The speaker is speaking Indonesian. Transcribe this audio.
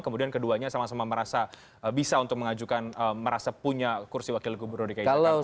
kemudian keduanya sama sama merasa bisa untuk mengajukan merasa punya kursi wakil gubernur dki jakarta